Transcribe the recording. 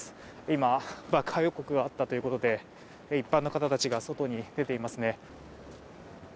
今、爆破予告があったということで一般の方たちが外に出ていますね。